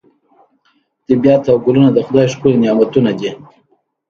طبیعت او ګلونه د خدای ښکلي نعمتونه دي.